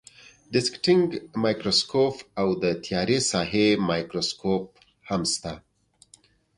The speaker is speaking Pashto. دیسکټینګ مایکروسکوپ او د تیارې ساحې مایکروسکوپ هم شته.